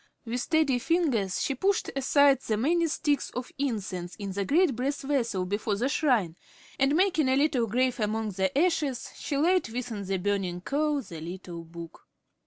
With steady fingers she pushed aside the many sticks of incense in the great brass vessel before the shrine, and making a little grave among the ashes, she laid within the burning coal the little book.